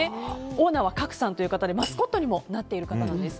オーナーは郭さんという方でマスコットにもなっています。